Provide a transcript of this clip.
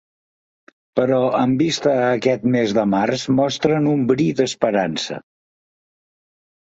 Però amb vista a aquest mes de març mostren un bri d’esperança.